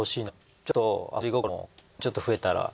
ちょっと遊び心ももうちょっと増えたら。